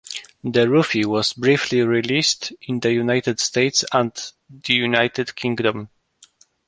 The Ruvi was briefly released in the United States and the United Kingdom.